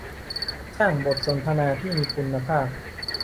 "สร้างบทสนทนาที่มีคุณภาพ"